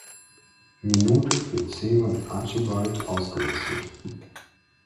Minute für Zevon Archibald ausgewechselt.